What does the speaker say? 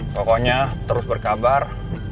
pokoknya terus berkabar